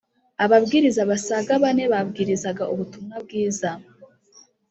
ababwiriza basaga bane babwirizaga ubutumwa bwiza